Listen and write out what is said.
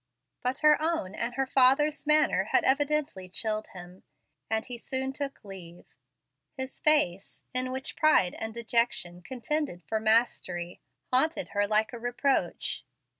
But her own and her father's manner had evidently chilled him, and he soon took his leave. His face, in which pride and dejection contended for mastery, haunted her like a reproach.